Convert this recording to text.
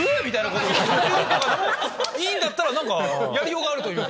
いいんだったらやりようがあるというか。